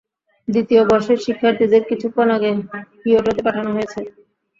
দ্বিতীয় বর্ষের শিক্ষার্থীদের কিছুক্ষণ আগে কিয়োটোতে পাঠানো হয়েছে।